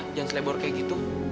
jangan selebor kayak gitu